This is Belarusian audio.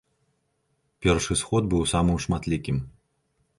Першы сход быў самым шматлікім.